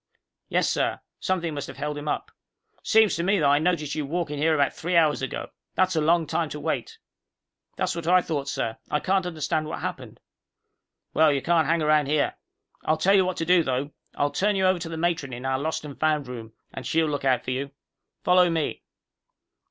"Yes, sir. Something must have held him up." "Seems to me that I noticed you walk in here about three hours ago. That's a long time to wait." "That's what I thought, sir. I can't understand what happened." "Well, you can't hang around here. I'll tell you what I'll do, though. I'll turn you over to the matron in our Lost and Found room, and she'll look out for you. Follow me."